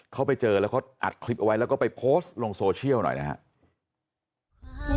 เขาไปเจอแล้วเขาอัดคลิปเอาไว้แล้วก็ไปโพสต์ลงโซเชียลหน่อยนะครับ